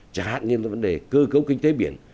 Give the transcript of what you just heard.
chẳng hạn như là vấn đề cơ cấu kinh tế biển